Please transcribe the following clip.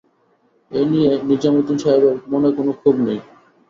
এই নিয়ে নিজামুদ্দিন সাহেবের মনে কোনো ক্ষোভ নেই।